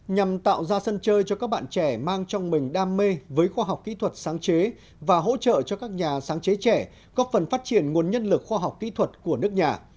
nhằm tạo ra sân chơi cho các bạn trẻ mang trong mình đam mê với khoa học kỹ thuật sáng chế và hỗ trợ cho các nhà sáng chế trẻ góp phần phát triển nguồn nhân lực khoa học kỹ thuật của nước nhà